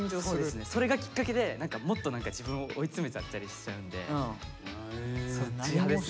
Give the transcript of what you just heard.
それがきっかけでもっと自分を追い詰めちゃったりしちゃうんでそっち派ですね。